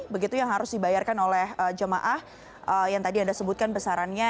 begitu yang harus dibayarkan oleh jemaah yang tadi anda sebutkan besarannya